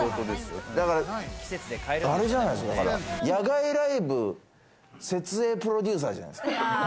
野外ライブ設営プロデューサーじゃないですか？